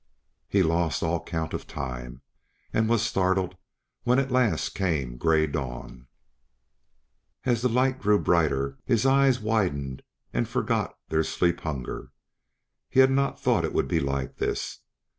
He lost all count of time, and was startled when at last came gray dawn. As the light grew brighter his eyes widened and forgot their sleep hunger; he had not thought it would be like this.